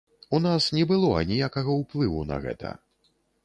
У нас не было аніякага ўплыву на гэта.